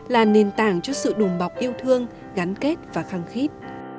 là nền tảng cho sự đùm bọc yêu thương gắn kết và khăng khít